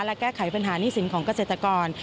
และแก้ไขปัญหานี่สินของเกษตรกร